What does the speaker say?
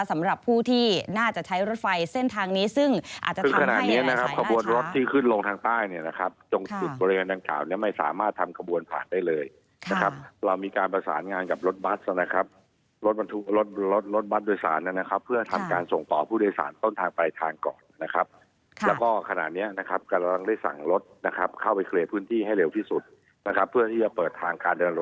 สำหรับผู้ที่น่าจะใช้รถไฟเส้นทางนี้ซึ่งอาจจะทำให้ไหน